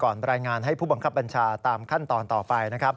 ก่อนรายงานให้ผู้บังคับบัญชาตามขั้นตอนต่อไป